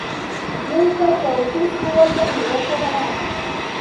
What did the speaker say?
Yunkaćhaw ćhusku watam yacharqa.